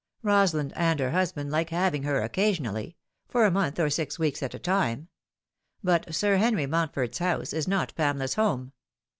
Rosalind and her husband like having her occasionally for a month or six weeks at a time ; but Sir Henry Mountford's house is not Pamela's home.